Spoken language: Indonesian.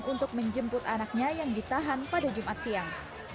dan menjemput anaknya yang ditahan pada jumat siang